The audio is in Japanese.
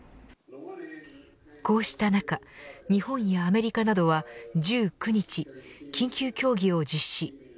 こうした中日本やアメリカなどは１９日、緊急協議を実施。